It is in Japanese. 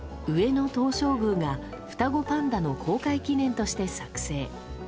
上野東照宮が双子パンダの公開記念として作成。